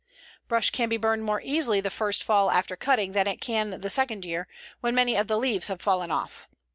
Brush can be burned more easily the first fall after cutting than it can the second year, when many of the leaves have fallen off.